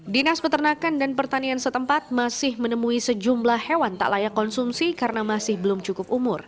dinas peternakan dan pertanian setempat masih menemui sejumlah hewan tak layak konsumsi karena masih belum cukup umur